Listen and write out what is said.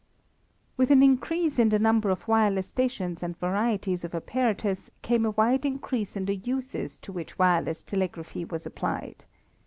With an increase in the number of wireless stations and varieties of apparatus came a wide increase in the uses to which wireless telegraphy was applied.